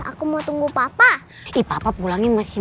aku udah di incentive dekern mooin